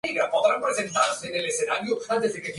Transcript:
Lara es usualmente referida sólo por su primer nombre.